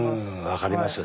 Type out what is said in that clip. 分かります。